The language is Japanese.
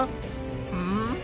うん？